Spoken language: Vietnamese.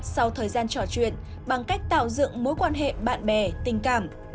sau thời gian trò chuyện bằng cách tạo dựng mối quan hệ bạn bè tình cảm